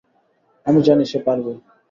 আমি জানি, সে পারবে!